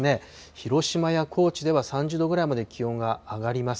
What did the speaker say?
広島や高知では３０度ぐらいまで気温が上がります。